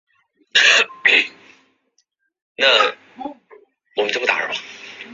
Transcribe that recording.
该书因其研究范围广泛且全面而广受好评。